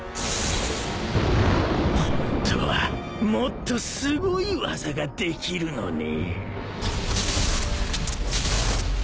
ホントはもっとすごい技ができるのに。